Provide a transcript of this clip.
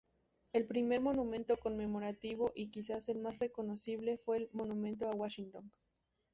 El primer monumento conmemorativo, y quizás el más reconocible, fue el Monumento a Washington.